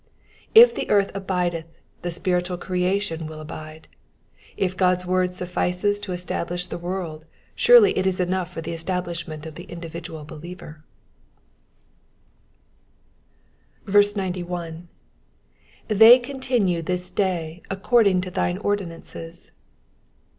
If the earth abideth the spiritual creation will abide ; if God's word suffices to establish the world surely it is enough for the establishment of the mdividoal be li ever. 91. ''''They eofUmue this day aeeording to thine ordinanee$.'